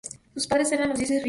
Sus padres eran los dioses-río.